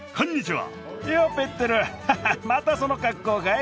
ははっまたその格好かい？